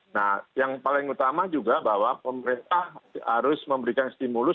nah yang paling utama juga bahwa pemerintah harus memberikan stimulus